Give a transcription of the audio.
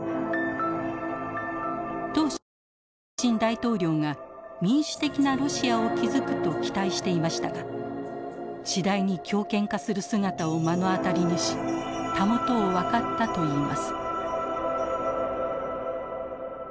当初プーチン大統領が民主的なロシアを築くと期待していましたが次第に強権化する姿を目の当たりにし袂を分かったといいます。